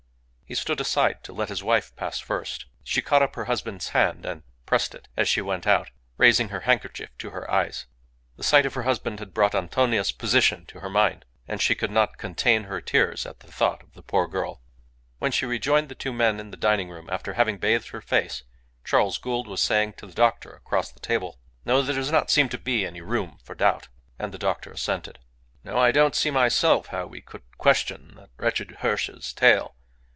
He stood aside to let his wife pass first. She caught up her husband's hand and pressed it as she went out, raising her handkerchief to her eyes. The sight of her husband had brought Antonia's position to her mind, and she could not contain her tears at the thought of the poor girl. When she rejoined the two men in the diningroom after having bathed her face, Charles Gould was saying to the doctor across the table "No, there does not seem any room for doubt." And the doctor assented. "No, I don't see myself how we could question that wretched Hirsch's tale.